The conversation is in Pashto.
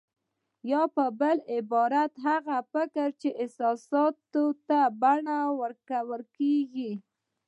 يا په بل عبارت هغه فکر چې احساساتي بڼه ورکول کېږي.